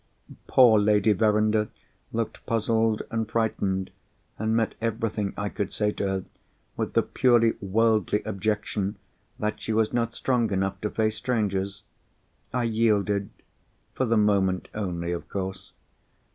Poor Lady Verinder looked puzzled and frightened, and met everything I could say to her with the purely worldly objection that she was not strong enough to face strangers. I yielded—for the moment only, of course.